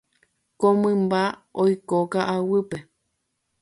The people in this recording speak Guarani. Ko mymba oiko ka'aguýpe.